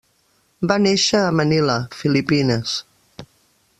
Va néixer a Manila, Filipines.